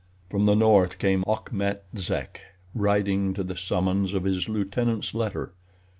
From the north came Achmet Zek, riding to the summons of his lieutenant's letter.